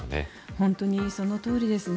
本当にそのとおりですね。